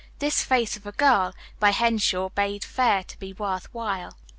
This "Face of a Girl" by Henshaw bade fair to be worth while.